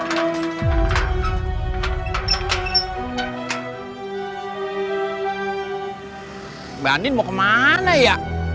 mbak andi mau kemana ya